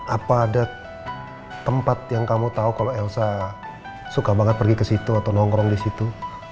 apa ada tempat yang kamu tahu kalau elsa suka banget pergi ke situ atau nongkrong di situ